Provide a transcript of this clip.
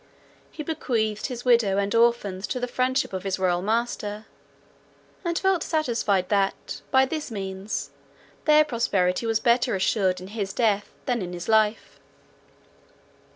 He bequeathed his widow and orphans to the friendship of his royal master, and felt satisfied that, by this means, their prosperity was better assured in his death than in his life.